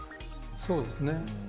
そうですね。